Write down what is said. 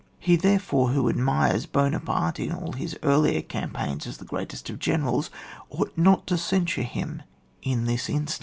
He, therefore, who admires Buona parte in all his earlier campaigns as the greatest of generals, ought not to censure him in this instance.